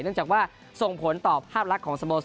เนื่องจากว่าส่งผลต่อภาพลักษณ์ของสโมสร